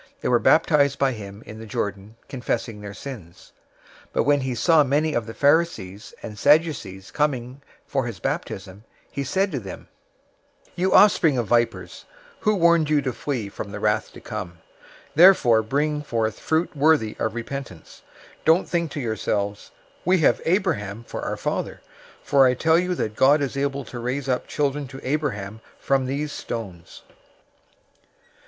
003:006 They were baptized{or, immersed} by him in the Jordan, confessing their sins. 003:007 But when he saw many of the Pharisees and Sadducees coming for his baptism,{or, immersion} he said to them, "You offspring of vipers, who warned you to flee from the wrath to come? 003:008 Therefore bring forth fruit worthy of repentance! 003:009 Don't think to yourselves, 'We have Abraham for our father,' for I tell you that God is able to raise up children to Abraham from these stones.